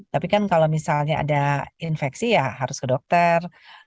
tapi kan kalau misalnya ada infeksi ya harus ke dokter